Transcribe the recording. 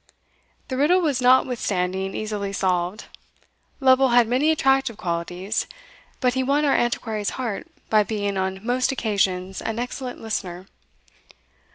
The riddle was notwithstanding easily solved. Lovel had many attractive qualities, but he won our Antiquary's heart by being on most occasions an excellent listener.